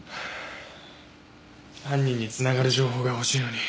犯人に繋がる情報が欲しいのに。